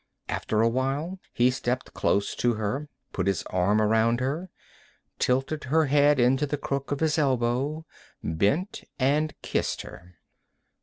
After a while he stepped close to her, put his arm around her, tilted her head into the crook of his elbow, bent, and kissed her.